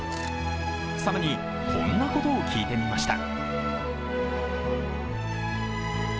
更に、こんなことを聞いてみました